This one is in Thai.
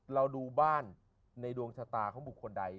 เราดูบ้านในดวงชะตาของบุคคลใด